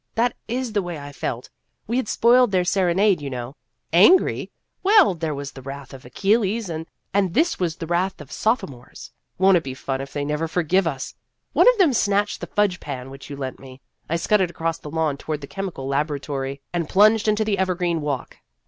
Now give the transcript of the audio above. That is the way I felt. We had spoiled their serenade, you know. Angry ? Well there was the wrath of Achilles, and this was the wrath of sopho 24 Vassar Studies mores. Won't it be fun if they never forgive us ! One of them snatched the fudge pan which you lent me. I scudded across the lawn toward the Chemical Labo ratory, and plunged into the evergreen walk.